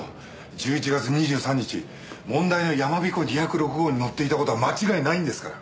１１月２３日問題のやまびこ２０６号に乗っていた事は間違いないんですから。